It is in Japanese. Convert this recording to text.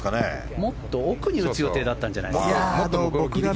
もっと奥に打つ予定だったんじゃないですか？